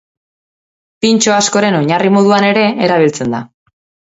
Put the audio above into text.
Pintxo askoren oinarri moduan ere erabiltzen da.